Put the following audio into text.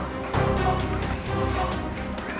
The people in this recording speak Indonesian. raka amuk maruguh